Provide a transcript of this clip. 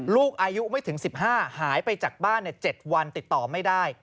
ลูกอายุไม่ถึง๑๕หายไปจากบ้าน๗วันติดต่อไม่ได้